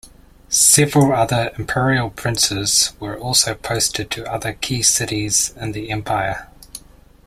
Several other imperial princes were also posted to other key cities in the empire.